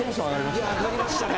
いや上がりましたね。